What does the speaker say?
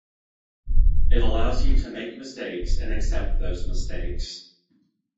It allows you to make mistakes and accept those mistakes.